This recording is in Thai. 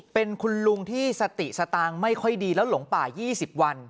เป็นคุณลุงที่สติสตางค์ไม่ค่อยดีแล้วหลงป่า๒๐วัน